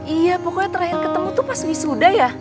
iya pokoknya terakhir ketemu tuh pas wisuda ya